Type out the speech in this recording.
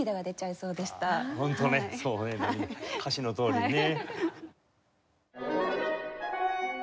ホントねそうね涙歌詞のとおりにね。